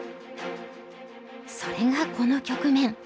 それがこの局面。